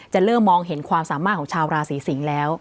เริ่มมองเห็นความสามารถของชาวราศีสิงศ์แล้ว